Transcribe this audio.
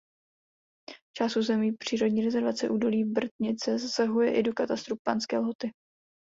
Část území přírodní rezervace Údolí Brtnice zasahuje i do katastru Panské Lhoty.